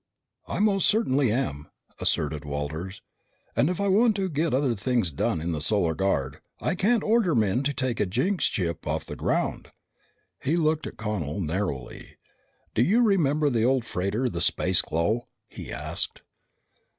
"I most certainly am," asserted Walters, "and if I want to get other things done in the Solar Guard, I can't order men to take a jinxed ship off the ground." He looked at Connel narrowly. "Do you remember the old freighter, the Spaceglow?" he asked.